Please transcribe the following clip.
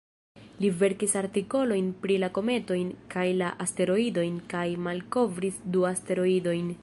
Li verkis artikolojn pri la kometojn kaj la asteroidojn kaj malkovris du asteroidojn.